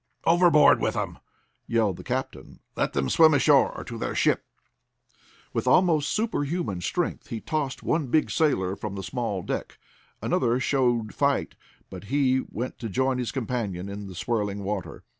"Overboard with 'em!" yelled the captain. "Let them swim ashore or to their ship!" With almost superhuman strength he tossed one big sailor from the small deck. Another showed fight, but he went to join his companion in the swirling water.